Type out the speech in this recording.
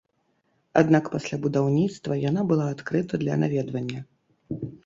Аднак пасля будаўніцтва яна была адкрыта для наведвання.